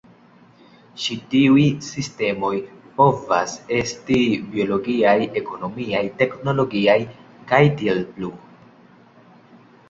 Ĉi tiuj sistemoj povas esti biologiaj, ekonomiaj, teknologiaj, kaj tiel plu.